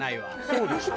そうでしょ？